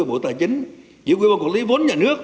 bộ tài chính giữ quyền bằng quản lý vốn nhà nước